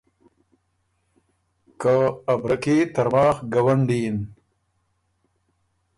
که ا برکي ترماخ ګونډی یِن۔